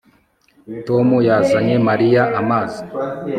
Tom yazanye Mariya amazi